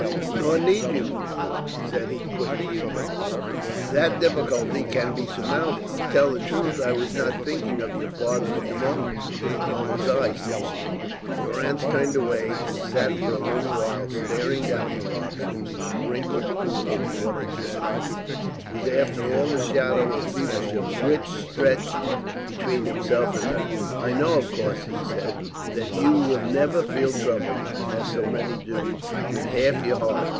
"Nor need you," said he, quickly. "That difficulty can be surmounted. To tell the truth I was not thinking of your father at the moment." "Nor was I," said she. Durrance turned away and sat for a little while staring down the rocks into a wrinkled pool of water just beneath. It was after all the shadow of Feversham which stretched between himself and her. "I know, of course," he said, "that you would never feel trouble, as so many do, with half your heart.